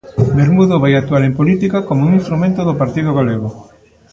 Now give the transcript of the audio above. Vermudo vai actuar en política como un instrumento do partido galego.